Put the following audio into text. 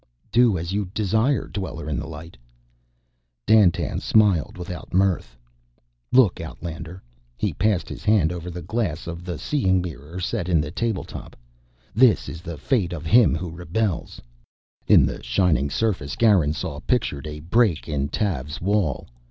"Do as you desire, Dweller in the Light." Dandtan smiled without mirth. "Look, outlander." He passed his hand over the glass of the seeing mirror set in the table top. "This is the fate of him who rebels " In the shining surface Garin saw pictured a break in Tav's wall.